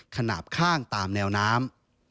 ขนาดข้างตามแนวน้ำ